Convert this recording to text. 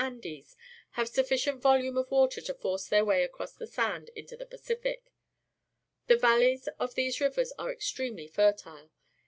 \ndes, have sufficient volume of water to force their way across the sand into the Pacific. The valleys of these rivers are extremely fei'tile.